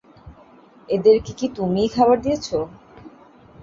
এদেরকে কি তুমিই খাবার দিয়েছ?